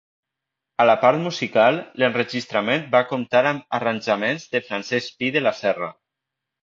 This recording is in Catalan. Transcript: A la part musical, l'enregistrament va comptar amb arranjaments de Francesc Pi de la Serra.